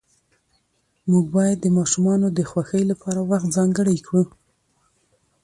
موږ باید د ماشومانو د خوښۍ لپاره وخت ځانګړی کړو